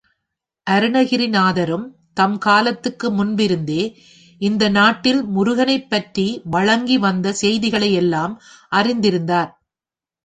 அருணகிரிநாதரும் தம் காலத்துக்கு முன்பிருந்தே இந்த நாட்டில் முருகனைப் பற்றி வழங்கி வந்த செய்திகளை எல்லாம் அறிந்திருந்தார்.